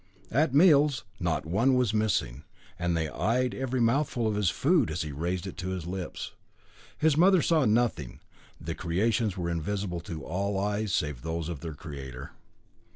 At meals not one was missing, and they eyed every mouthful of his food as he raised it to his lips. His mother saw nothing the creations were invisible to all eyes save those of their creator.